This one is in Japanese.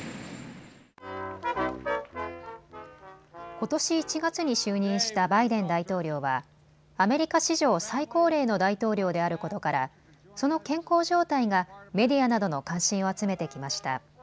ことし１月に就任したバイデン大統領はアメリカ史上、最高齢の大統領であることからその健康状態がメディアなどの関心を集めてきました。